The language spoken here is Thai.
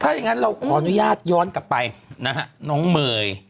ถ้าอย่างนั้นเราขออนุญาตย้อนกลับไปนะฮะน้องเมย์